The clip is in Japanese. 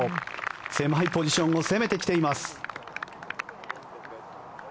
狭いポジションを攻めてきています。